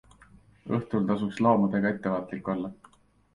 Õhtul tasuks loomadega ettevaatlik olla.